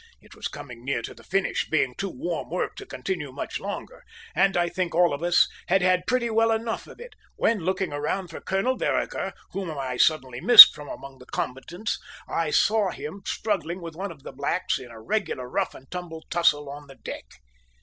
It was coming near to the finish, being too warm work to continue much longer, and I think all of us had had pretty well enough of it, when, looking round for Colonel Vereker, whom I suddenly missed from among the combatants, I saw him struggling with one of the blacks in a regular rough and tumble tussle on the deck.